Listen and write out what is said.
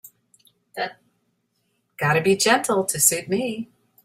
Gotta be gentle to suit me.